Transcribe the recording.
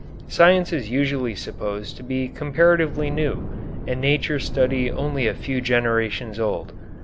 Science is usually supposed to be comparatively new and nature study only a few generations old.